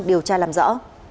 điều tra làm rõ